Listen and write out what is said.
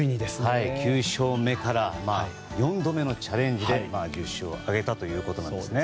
９勝目から４度目のチャレンジで１０勝を挙げたということです。